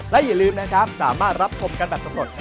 และอย่าลืมนะครับสามารถรับชมกันแบบสำรวจ